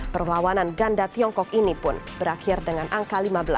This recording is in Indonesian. perlawanan ganda tiongkok ini pun berakhir dengan angka lima belas